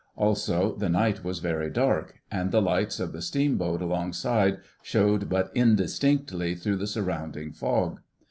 Also the night was very dark, and the lights of the steamboat alongside showed but indistinctly through the surrounding fog.